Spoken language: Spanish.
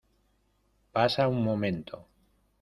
pasa un momento.